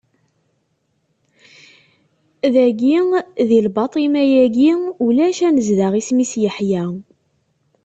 Dagi, di labaṭima-agi ulac anezdaɣ isem-is Yeḥya.